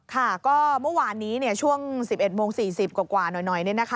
ค่ะก็เมื่อวานนี้ช่วง๑๑๔๐กว่าน้อยนี่นะคะ